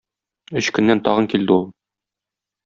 Өч көннән тагын килде ул.